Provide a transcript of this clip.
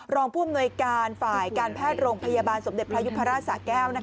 รองผู้อำนวยการฝ่ายการแพทย์โรงพยาบาลสมเด็จพระยุพราชสาแก้ว